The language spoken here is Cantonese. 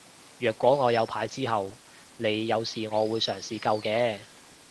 若果我有牌之後你有事我會嘗試救嘅